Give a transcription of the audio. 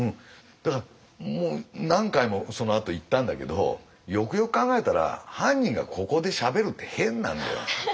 だからもう何回もそのあと行ったんだけどよくよく考えたら犯人がここでしゃべるって変なんだよ。